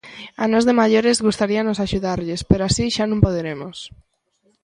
A nós de maiores gustaríanos axudarlles pero así xa non poderemos.